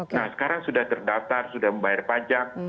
nah sekarang sudah terdaftar sudah membayar pajak